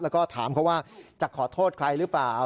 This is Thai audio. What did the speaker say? แล้วก็ถามเขาว่าจะขอโทษใครหรือเปล่า